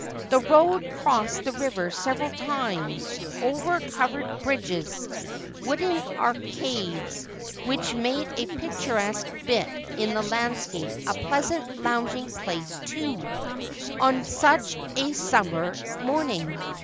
The road crossed the river several times, over covered bridges, wooden arcades, which made a picturesque bit in the landscape, a pleasant lounging place too, on such a sum mer morning.